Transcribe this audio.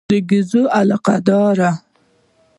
د ګېزو علاقه داره.